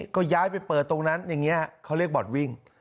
ก็ย้ายไปเปิดตรงนั้นอย่างนี้เขาเรียกบอร์ดวิ่ง